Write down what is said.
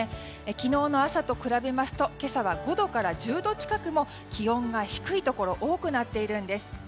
昨日の朝と比べますと今朝は５度から１０度近く気温が低いところ多くなっているんです。